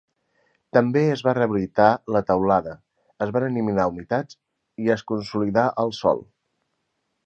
També es va rehabilitar la teulada, es van eliminar humitats i es consolidà el sòl.